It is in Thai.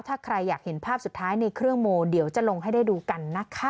ถ้าใครอยากเห็นภาพสุดท้ายในเครื่องโมเดี๋ยวจะลงให้ได้ดูกันนะคะ